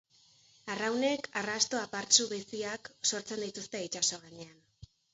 Arraunek arrasto apartsu biziak sortzen dituzte itsaso gainean.